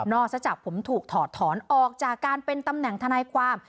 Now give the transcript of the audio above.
ซะจากผมถูกถอดถอนออกจากการเป็นตำแหน่งทนายความ